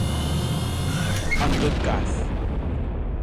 En tot cas.